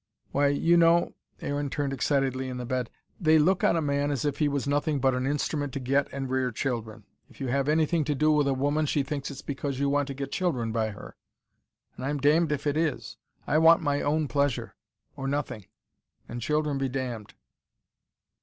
"Why, you know," Aaron turned excitedly in the bed, "they look on a man as if he was nothing but an instrument to get and rear children. If you have anything to do with a woman, she thinks it's because you want to get children by her. And I'm damned if it is. I want my own pleasure, or nothing: and children be damned."